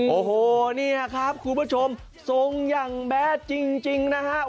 โอโหเนี่ยครับคุณผู้ชมทรงอย่างแบ๊ดจริงจริงนะคะ